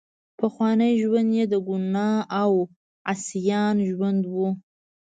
پخوانی ژوند یې د ګناه او عصیان ژوند وو.